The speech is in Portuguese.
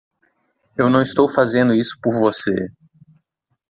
Eu não estou fazendo isso por você!